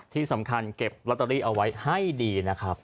ที่สำคัญเก็บลอตเตอรี่เอาไว้ให้ดีนะครับ